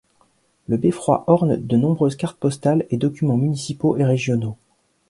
Le beffroi orne de nombreuses cartes postales et documents municipaux et régionaux.